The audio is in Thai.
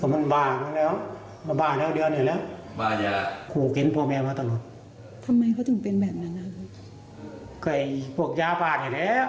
มันขู่ฆ่าพ่อแม่ด้วยนะ